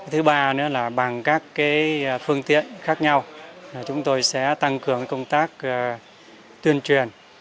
thứ ba nữa là bằng các phương tiện khác nhau chúng tôi sẽ tăng cường công tác tuyên truyền